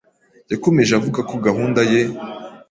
Yakomeje avuga ko gahunda ye